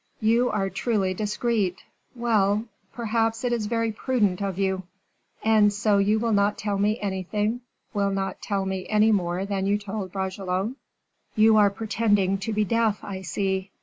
"You are truly discreet well! perhaps it is very prudent of you." "And so you will not tell me anything, will not tell me any more than you told Bragelonne?" "You are pretending to be deaf, I see.